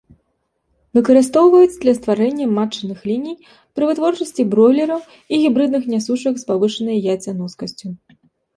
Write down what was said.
Выкарыстоўваюць для стварэння матчыных ліній пры вытворчасці бройлераў і гібрыдных нясушак з павышанай яйцаноскасцю.